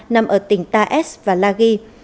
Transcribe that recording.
nằm ở tỉnh taez và laghi